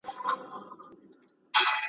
د اورنګ شراب په ورکي ,